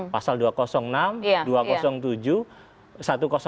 pasal dua ratus enam dua ratus tujuh satu ratus enam satu ratus tujuh satu ratus delapan di kuhp